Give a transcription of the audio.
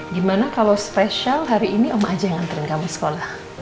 gimana kalau spesial hari ini oma aja yang nganterin kamu ke sekolah